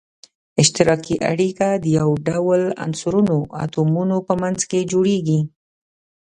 اشتراکي اړیکه د یو ډول عنصرونو اتومونو په منځ کې جوړیږی.